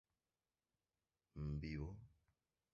¿vivo?